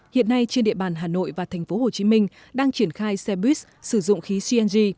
hiện nay trên địa bàn hà nội và thành phố hồ chí minh đang triển khai xe buýt sử dụng khí cng